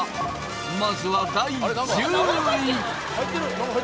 まずは第１０位